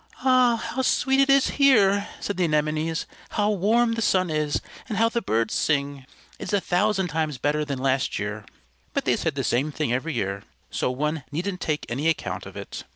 "Ah, how sweet it is here!" said the Anemones. "How warm the sun is, and how the birds sing! It is a thousand times better than last year." But they said the same thing every year, so one needn't take any account of it.